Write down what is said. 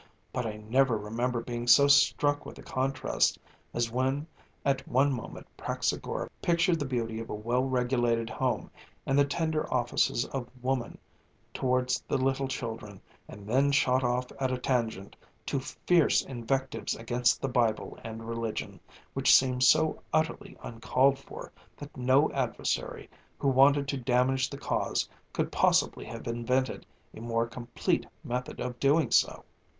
but I never remember being so struck with a contrast as when at one moment Praxagora pictured the beauty of a well regulated home, and the tender offices of woman towards the little children, and then shot off at a tangent to fierce invectives against the Bible and religion, which seemed so utterly uncalled for that no adversary who wanted to damage the cause could possibly have invented a more complete method of doing so.